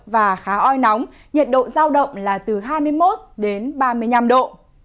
và khá oi nóng nhiệt độ giao động là từ hai mươi một đến ba mươi năm độ